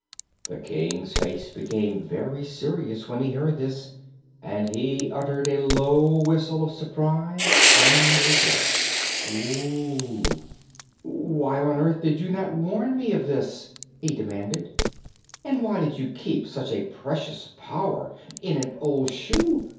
The King's face became very serious when he heard this and he uttered a low whistle of surprise and regret. "Why on earth did you not warn me of this?" he demanded. "And why did you keep such a precious power in an old shoe?